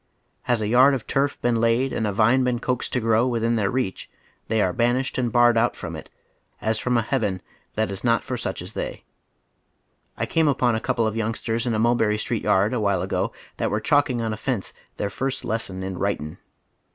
Has a yard oyGoogle THE PROBLEM OF THE CHILDREN. 183 of turf been kid and a vine been coaxed to grow within tlieir reach, they are banislied and barred out from it as from a heaven that is not for such as they. I came upon a couple of youngsters in a Hulherry Street yard a while ago that were chalking on the fence their first lesson in "writin'."